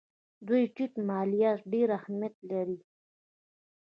دویم: ټیټ مالیات ډېر اهمیت لري.